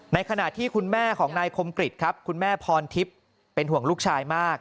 ในขณะที่คุณแม่ของนายคมกริจครับคุณแม่พรทิพย์เป็นห่วงลูกชายมาก